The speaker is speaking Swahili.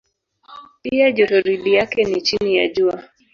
Pia jotoridi yake ni chini ya Jua.